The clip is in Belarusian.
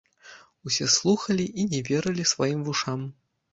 Усе слухалі і не верылі сваім вушам.